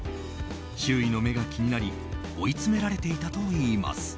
周囲の目が気になり追いつめられていたといいます。